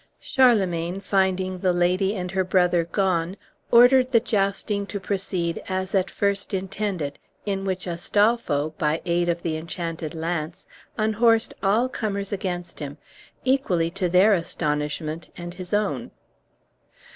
Charlemagne, finding the lady and her brother gone, ordered the jousting to proceed as at first intended, in which Astolpho, by aid of the enchanted lance, unhorsed all comers against him, equally to their astonishment and his own.